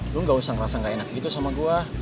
lu gak usah ngerasa gak enak gitu sama gue